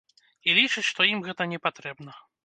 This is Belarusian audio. І лічыць, што ім гэта не патрэбна.